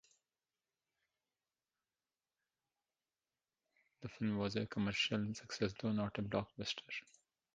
The film was a commercial success, though not a blockbuster.